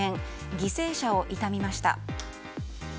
犠牲者を悼みました。